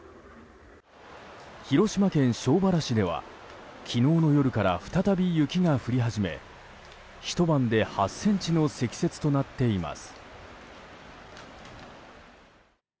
広島県庄原市では昨日の夜から再び雪が降り始めひと晩で８ｃｍの積雪となっています。